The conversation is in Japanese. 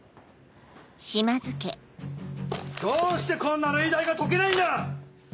どうしてこんな類題が解けないんだ！